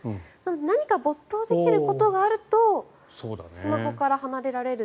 何か没頭できることがあるとスマホから離れられる。